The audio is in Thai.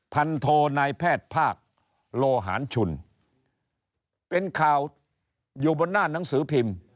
โทนายแพทย์ภาคโลหารชุนเป็นข่าวอยู่บนหน้าหนังสือพิมพ์